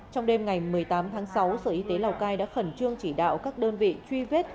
trong đêm ngày một mươi tám tháng sáu sở y tế lào cai đã khẩn trương chỉ đạo các đơn vị truy vết